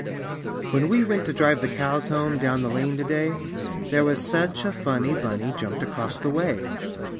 When we went to drive the cows home Down the lane to day, There was such a funny bunny Jumped across the way!